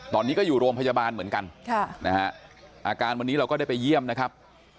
ตอนนี้ก็อยู่โรงพยาบาลเหมือนกันอาการวันนี้เราก็ได้ไปเยี่ยมนะครับ